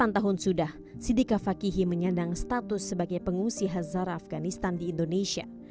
delapan tahun sudah sidika fakihi menyandang status sebagai pengungsi hazara afganistan di indonesia